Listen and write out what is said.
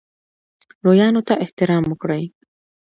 لویانو ته احترام وکړئ